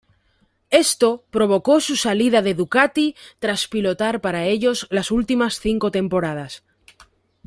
Esto provocó su salida de Ducati tras pilotar para ellos las últimas cinco temporadas.